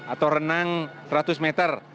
atau renang seratus meter